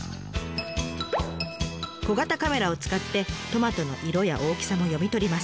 小型カメラを使ってトマトの色や大きさも読み取ります。